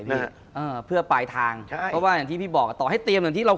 คุณผู้ชมบางท่าอาจจะไม่เข้าใจที่พิเตียร์สาร